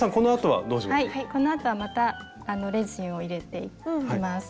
はいこの後はまたレジンを入れていきます。